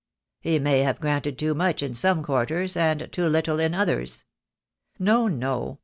"He may have granted too much in some quarters, and too little in others." "No, no.